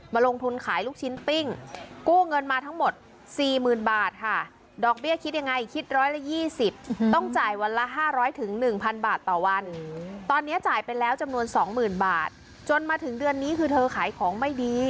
มาลงทุนขายลูกชิ้นปิ้งกู้เงินมาทั้งหมดสี่หมื่นบาทค่ะ